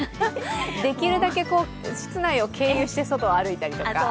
できるだけ室内を経由して外を歩いたりとか。